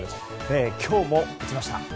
今日も打ちました。